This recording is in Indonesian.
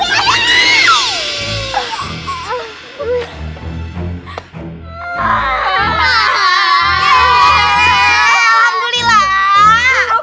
udah neng udah